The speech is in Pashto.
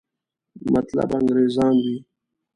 مطلب انګریزان وي.